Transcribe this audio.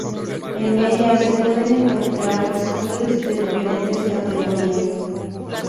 En ella, se pueden encontrar skills de diferentes categorías.